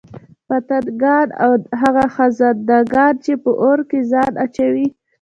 پتنگان او هغه خزندګان چې په اور كي ځان اچوي